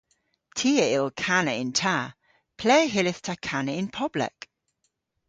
Ty a yll kana yn ta. Ple hyllydh ta kana yn poblek?